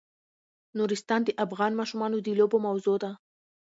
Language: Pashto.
نورستان د افغان ماشومانو د لوبو موضوع ده.